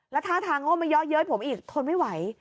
แล้วท่าทางก็ไม่เยอะเย้ยผมอีกทนไม่ไหว